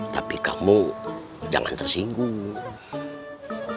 tapi kamu jangan tersinggung